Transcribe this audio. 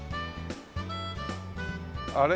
あれ？